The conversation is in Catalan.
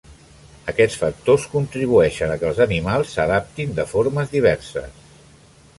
Aquests factors contribueixen a que els animals s'adaptin de formes diverses.